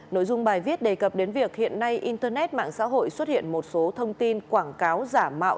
nội dung bài viết đề cập đến việc hiện nay internet mạng xã hội xuất hiện một số thông tin quảng cáo giả mạo